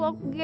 ntar aku gue